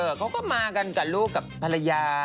เขาก็มากันกับลูกกับภรรยา